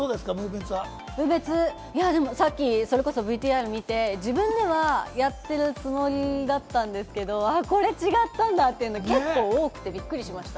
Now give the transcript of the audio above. ＶＴＲ見て、自分ではやっているつもりだったんですけど、これ違ったんだっていうのが結構多くてびっくりしました。